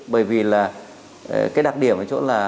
bởi vì là cái đặc điểm ở chỗ là